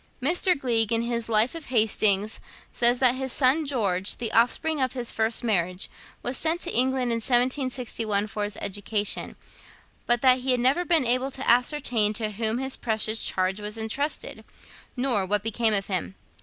Mr. Gleig, in his 'Life of Hastings,' says that his son George, the offspring of his first marriage, was sent to England in 1761 for his education, but that he had never been able to ascertain to whom this precious charge was entrusted, nor what became of him.